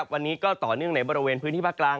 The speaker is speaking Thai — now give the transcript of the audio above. วันนี้ก็ต่อเนื่องในบริเวณพื้นที่ภาคกลาง